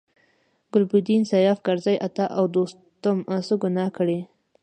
ګلبدین، سیاف، کرزي، عطا او دوستم څه ګناه کړې.